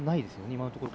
今のところは。